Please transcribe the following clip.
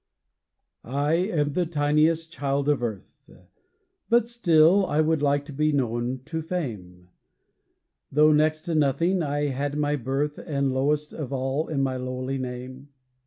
I am the tiniest child of earth! But still, I would like to be known to fame; Though next to nothing I had my birth, And lowest of all in my lowly name.